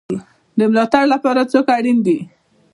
د ملاتړ لپاره څوک اړین دی؟